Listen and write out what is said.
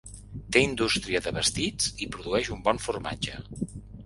Té indústria de vestits i produeix un bon formatge.